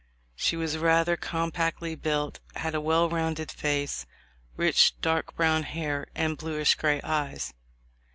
She was rather compactly built, had a well rounded face, rich dark brown hair, and bluish gray eyes.